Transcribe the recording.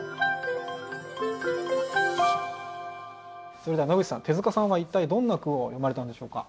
それでは野口さん手塚さんは一体どんな句を詠まれたんでしょうか？